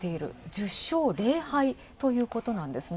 １０勝０敗ということなんですね。